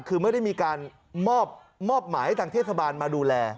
คือไม่ได้มีการมอบหมายให้ทางเทศบาลมาดูแล